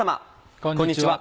こんにちは。